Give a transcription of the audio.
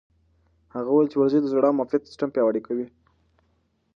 هغې وویل ورزش د زړه او معافیت سیستم پیاوړتیا کوي.